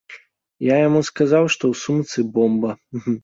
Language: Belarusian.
Я яму сказаў, што ў сумцы бомба.